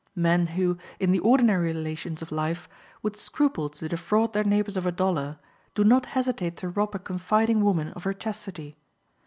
Men who, in the ordinary relations of life, would scruple to defraud their neighbors of a dollar, do not hesitate to rob a confiding woman of her chastity.